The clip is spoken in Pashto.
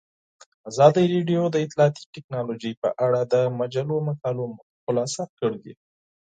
ازادي راډیو د اطلاعاتی تکنالوژي په اړه د مجلو مقالو خلاصه کړې.